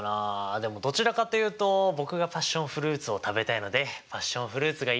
でもどちらかというと僕がパッションフルーツを食べたいのでパッションフルーツがいいかな。